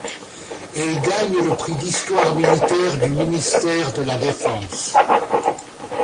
Elle gagne le Prix d’histoire militaire du ministère de la Défense.